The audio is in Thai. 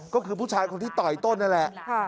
ก็คือผู้ชายคนที่ต่อยต้นนั่นแหละ